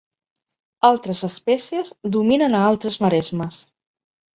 Altres espècies dominen a altres maresmes.